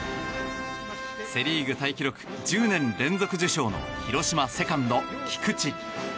セ・リーグタイ記録１０年連続受賞の広島セカンド、菊池。